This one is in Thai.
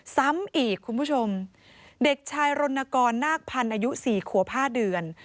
ซ้ำอีกคุณผู้ชมเด็กชายรณกรนาคพันธ์อายุ๔ขวบ๕เดือน